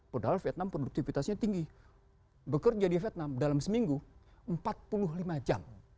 padahal vietnam produktivitasnya tinggi bekerja di vietnam dalam seminggu empat puluh lima jam